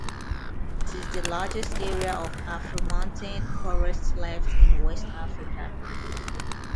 It is the largest area of Afromontane forest left in West Africa.